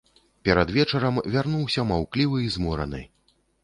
Перад вечарам вярнуўся маўклівы і замораны.